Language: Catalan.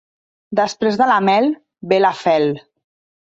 Després de la mel, ve la fel.